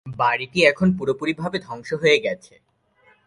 বাড়িটি এখন পুরোপুরিভাবে ধ্বংস হয়ে গেছে।